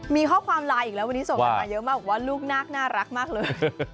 มีข้อความไลน์อีกแล้ววันนี้ส่งกันมาเยอะมากบอกว่าลูกนาคน่ารักมากเลย